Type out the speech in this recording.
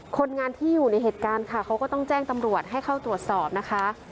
คนงานที่อยู่ในเหตุการณ์ค่ะเขาก็ต้องแจ้งตำรวจให้เข้าตรวจสอบนะคะ